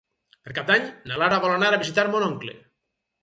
Per Cap d'Any na Lara vol anar a visitar mon oncle.